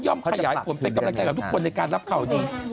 ขยายผลเป็นกำลังใจกับทุกคนในการรับข่าวดี